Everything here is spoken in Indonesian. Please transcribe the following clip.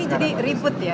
ini jadi ribet ya